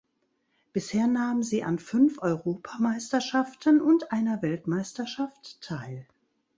Bisher nahm sie an fünf Europameisterschaften und einer Weltmeisterschaft teil.